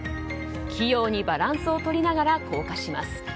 器用にバランスをとりながら降下します。